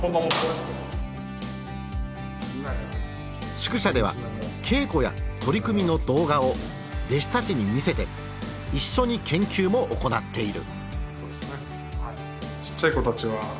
宿舎では稽古や取組の動画を弟子たちに見せて一緒に研究も行っている。